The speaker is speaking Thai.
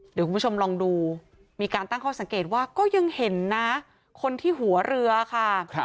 เดี๋ยวคุณผู้ชมลองดูมีการตั้งข้อสังเกตว่าก็ยังเห็นนะคนที่หัวเรือค่ะ